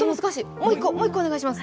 もう１個、ヒントお願いします。